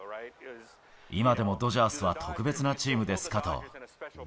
今でもドジャースは特別なチームですかと。